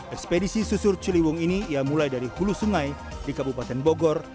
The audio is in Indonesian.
ekspedisi susur ciliwung ini ia mulai dari hulu sungai di kabupaten bogor